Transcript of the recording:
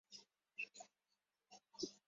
He is listed as one of the "Five Hegemons".